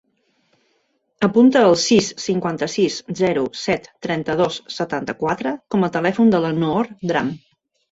Apunta el sis, cinquanta-sis, zero, set, trenta-dos, setanta-quatre com a telèfon de la Noor Drame.